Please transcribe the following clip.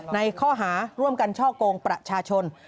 ในข้อหาร่วมกันช่อกงประชาชน